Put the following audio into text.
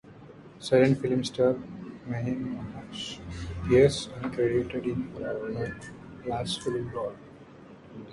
Silent film star Mae Marsh appears uncredited in her last film role.